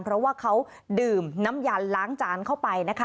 เพราะว่าเขาดื่มน้ำยันล้างจานเข้าไปนะคะ